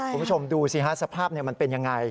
คุณผู้ชมดูสิฮะสภาพมันเป็นยังไง